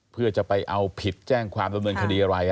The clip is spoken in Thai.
เพื่อจะไปเอาผิดแจ้งความดำเนินคดีอะไร